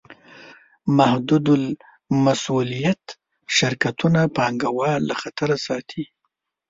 محدودالمسوولیت شرکتونه پانګهوال له خطره ساتي.